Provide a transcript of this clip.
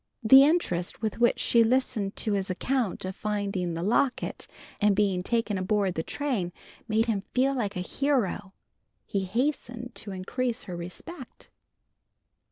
The interest with which she listened to his account of finding the locket and being taken aboard the train made him feel like a hero. He hastened to increase her respect.